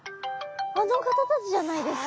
あの方たちじゃないですか？